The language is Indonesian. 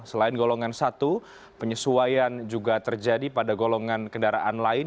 selain golongan satu penyesuaian juga terjadi pada golongan kendaraan lain